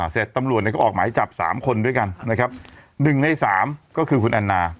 เสร็จตำรวจเนี่ยก็ออกหมายจับ๓คนด้วยกันนะครับ๑ใน๓ก็คือคุณอันนา